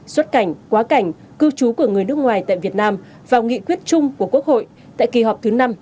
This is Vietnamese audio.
xuất cảnh quá cảnh cư trú của người nước ngoài tại việt nam vào nghị quyết chung của quốc hội tại kỳ họp thứ năm